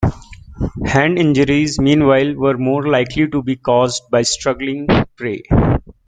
Hand injuries, meanwhile, were more likely to be caused by struggling prey.